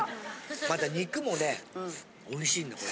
また肉もねおいしいんだこれ。